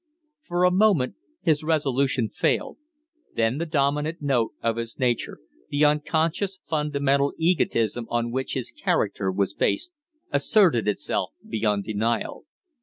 For a moment his resolution failed; then the dominant note of his nature the unconscious, fundamental egotism on which his character was based asserted itself beyond denial.